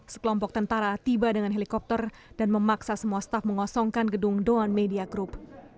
sekelompok tentara tiba dengan helikopter dan memaksa semua staf mengosongkan gedung doan media group